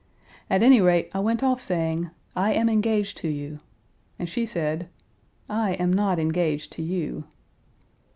At any rate, I went off saying, 'I am engaged to you,' and she said, 'I am not engaged to you.'